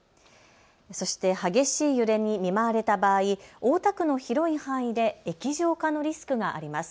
そして激しい揺れに見舞われた場合、大田区の広い範囲で液状化のリスクがあります。